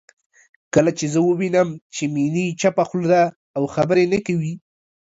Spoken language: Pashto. کله چې زه ووينم چې میني چپه خوله ده او خبرې نه کوي